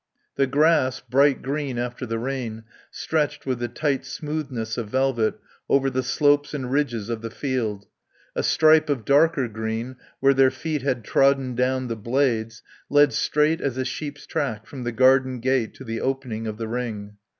The grass, bright green after the rain, stretched with the tight smoothness of velvet over the slopes and ridges of the field. A stripe of darker green, where their feet had trodden down the blades, led straight as a sheep's track from the garden gate to the opening of the ring.